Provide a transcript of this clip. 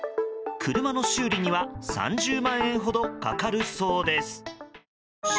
車の修理には３０万円ほどかかるそうです。